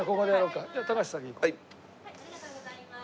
ありがとうございます。